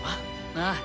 ああ。